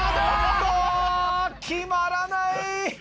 あぁ決まらない！